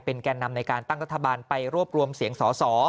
แก่นำในการตั้งรัฐบาลไปรวบรวมเสียงสอสอ